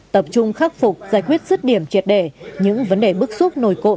tập trung khắc phục giải quyết rứt điểm triệt đề những vấn đề bức xúc nổi cộ